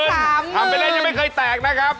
ทำเป็นเรื่องยังไม่เคยแตกนะครับ